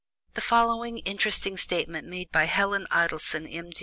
The following interesting statement made by Helen Idleson, M.